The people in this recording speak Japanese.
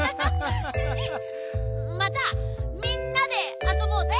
またみんなであそぼうぜ。